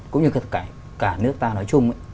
cũng như cả nước ta nói chung